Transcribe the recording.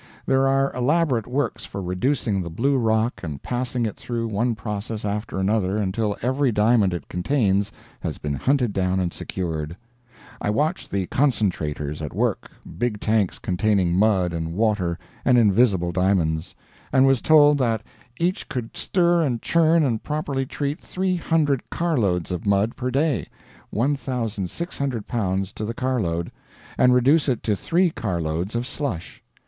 There are elaborate works for reducing the blue rock and passing it through one process after another until every diamond it contains has been hunted down and secured. I watched the "concentrators" at work big tanks containing mud and water and invisible diamonds and was told that each could stir and churn and properly treat 300 car loads of mud per day 1,600 pounds to the car load and reduce it to 3 car loads of slush.